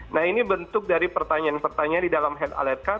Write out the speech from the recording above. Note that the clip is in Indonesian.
nah ini bentuk dari pertanyaan pertanyaan di dalam head alert car